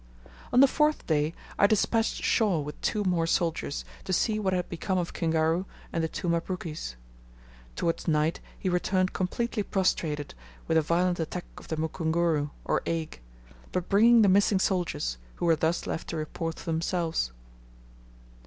On the fourth day I despatched Shaw with two more soldiers, to see what had become of Kingaru and the two Mabrukis. Towards night he returned completely prostrated, with a violent attack of the mukunguru, or ague; but bringing the missing soldiers, who were thus left to report for themselves.